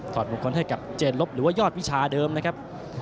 อดมงคลให้กับเจนลบหรือว่ายอดวิชาเดิมนะครับ